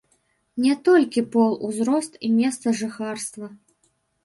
Не толькі пол, узрост і месца жыхарства.